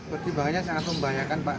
pertimbangannya sangat membahayakan pak